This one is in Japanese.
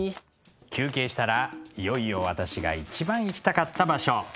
休憩したらいよいよ私が一番行きたかった場所